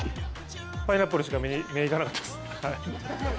パイナップルしか目が行かなかったです。